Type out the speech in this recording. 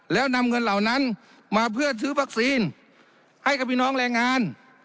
แล้วนำเงินเหล่านั้นมาเพื่อซื้อวัคซีนให้กับพี่น้องแรงงาน